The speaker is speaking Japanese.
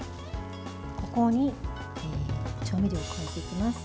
ここに調味料を加えていきます。